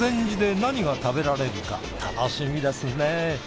楽しみですね。